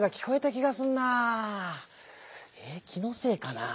気のせいかなぁ？